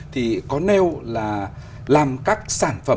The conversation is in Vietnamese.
thì có nêu là làm các sản phẩm